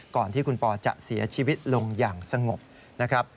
ก่อนที่คุณปอจะเสียชีวิตลงอย่างสงบนะครับ